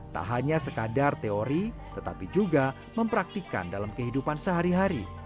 tak hanya sekadar teori tetapi juga mempraktikan dalam kehidupan sehari hari